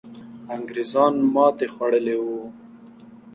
انګریزان ماتې خوړلې وو.